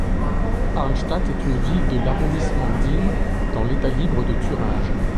Arnstadt est une ville de l'arrondissement d'Ilm, dans l'État libre de Thuringe.